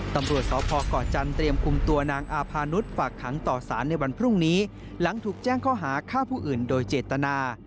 ตำรวจสพก่อจันทร์เตรียมคุมตัวนางอาพานุษย์ฝากขังต่อสารในวันพรุ่งนี้หลังถูกแจ้งข้อหาฆ่าผู้อื่นโดยเจตนา